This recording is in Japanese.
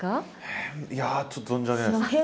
変いやちょっと存じ上げない。